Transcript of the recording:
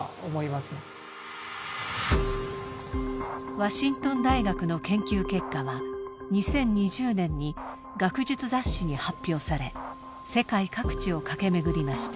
ワシントン大学の研究結果は２０２０年に学術雑誌に発表され世界各地を駆け巡りました。